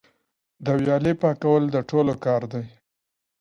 د ویالې پاکول د ټولو کار دی؟